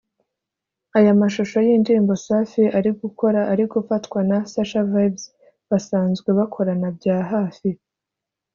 Aya mashusho y’indirimbo Safi ari gukora ari gufatwa na Sasha Vybz basanzwe bakorana bya hafi